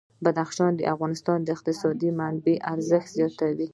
بدخشان د افغانستان د اقتصادي منابعو ارزښت زیاتوي.